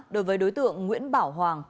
đối với đối tượng nguyễn bảo hoàng